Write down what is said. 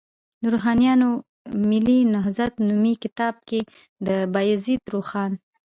د روښانیانو ملي نهضت نومي کتاب کې، د بایزید روښان